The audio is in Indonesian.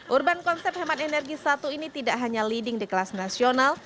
urban konsep hemat energi satu ini tidak hanya leading di kelas nasional